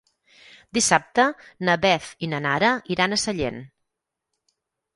Dissabte na Beth i na Nara iran a Sallent.